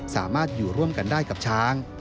สามารถอยู่ร่วมกันได้กับช้าง